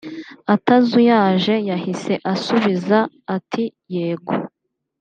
atazuyaje yahise asubiza ati “Yego”